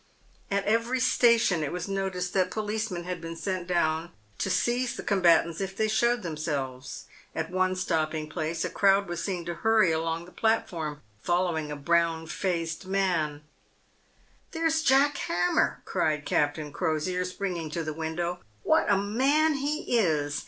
At every station it was'noticed that policemen had been sent down to seize the combatants if they showed themselves. At one stopping place a crowd was seen to hurry along the platform, following a brown faced man. n There's Jack Hammer !" cried Captain Crosier, springing to the window. " What a man he is